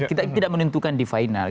kita tidak menentukan di final